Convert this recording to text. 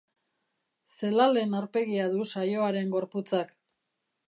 Zelalen aurpegia du Saioaren gorputzak.